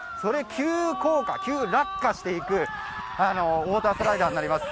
急降下、急落下していくウォータースライダーになります。